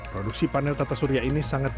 produksi panel tata surya ini sangat